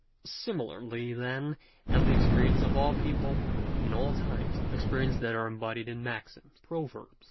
Similarly then as the experiences of all peopl\ , J n all times — experiences that are embodied in maxims, proverMi^s.